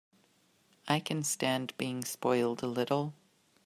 I can stand being spoiled a little.